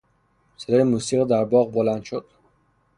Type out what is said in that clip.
صدای موسیقی در باغ بلند شد.